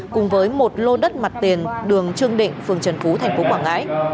cùng với một lô đất mặt tiền đường trương định phường trần phú tp quảng ngãi